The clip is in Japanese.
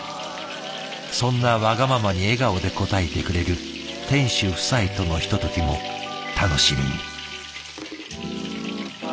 そんなワガママに笑顔で応えてくれる店主夫妻とのひとときも楽しみに。